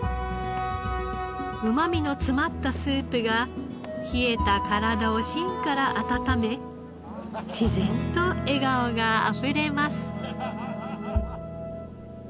うま味の詰まったスープが冷えた体を芯から温め自然と笑顔があふれます。